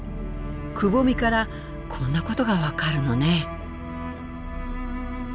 くぼみからこんなことが分かるのね。